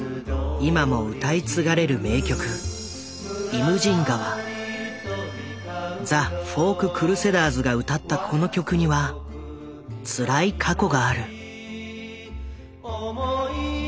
今も歌い継がれる名曲ザ・フォーク・クルセダーズが歌ったこの曲にはつらい過去がある。